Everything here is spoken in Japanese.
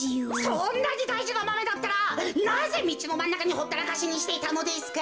そんなにだいじなマメだったらなぜみちのまんなかにほったらかしにしてたのですか？